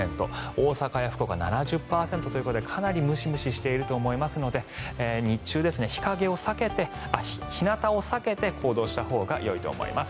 大阪や福岡は７０％ということでかなりムシムシしていると思いますので日中、日なたを避けて行動したほうがよいと思います。